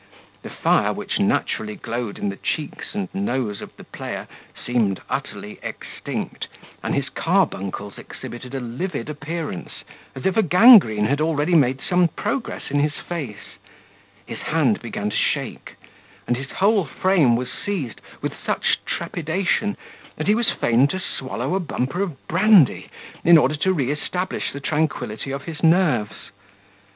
The fire which naturally glowed in the cheeks and nose of the player, seemed utterly extinct, and his carbuncles exhibited a livid appearance, as if a gangrene had already made some progress in his face; his hand began to shake, and his whole frame was seized with such trepidation, that he was fain to swallow a bumper of brandy, in order to re establish the tranquility of his nerves.